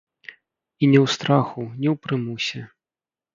І не ў страху, не ў прымусе.